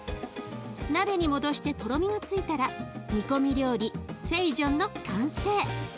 鍋に戻してとろみがついたら煮込み料理フェイジョンの完成。